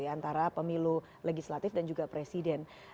antara pemilu legislatif dan juga presiden